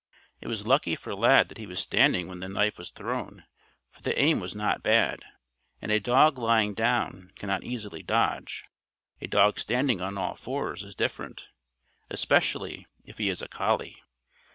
It was lucky for Lad that he was standing when the knife was thrown for the aim was not bad, and a dog lying down cannot easily dodge. A dog standing on all fours is different, especially if he is a collie.